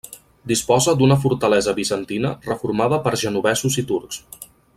Disposa d'una fortalesa bizantina reformada per genovesos i turcs.